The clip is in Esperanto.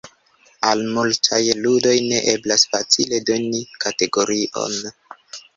Al multaj ludoj ne eblas facile doni kategorion.